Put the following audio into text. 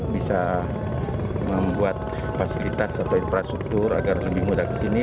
bisa membuat fasilitas atau infrastruktur agar lebih mudah kesini